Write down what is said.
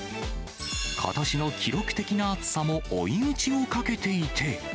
ことしの記録的な暑さも追い打ちをかけていて。